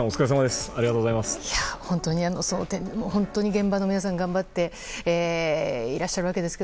本当にその点、現場の皆さんが頑張っていらっしゃるわけですが